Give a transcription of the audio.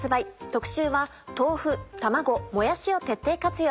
特集は豆腐卵もやしを徹底活用。